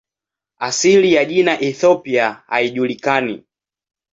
Asili ya jina "Ethiopia" haijulikani.